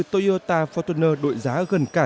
toyota fortuner đội giá gần cả